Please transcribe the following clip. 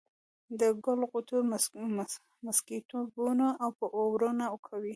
د ګل غوټو مسكيتوبونه به اورونه کوي